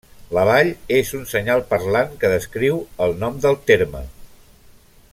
La vall és un senyal parlant que descriu el nom del terme.